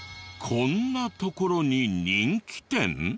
こんな所に人気店？